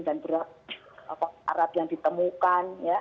dan berapa syarat yang ditemukan ya